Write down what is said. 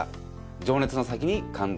「情熱の先に感動がある。」